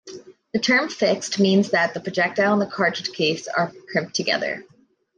The term "fixed" means that the projectile and the cartridge case are crimped together.